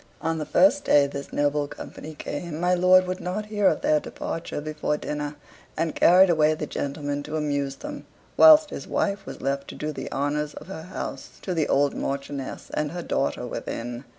On the first day this noble company came, my lord would not hear of their departure before dinner, and carried away the gentlemen to amuse them, whilst his wife was left to do the honors of her house to the old Marchioness and her daughter within.